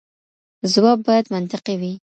ځواب باید منطقي وي.